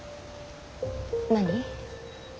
何。